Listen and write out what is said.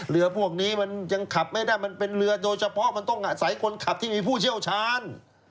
พวกนี้มันยังขับไม่ได้มันเป็นเรือโดยเฉพาะมันต้องอาศัยคนขับที่มีผู้เชี่ยวชาญ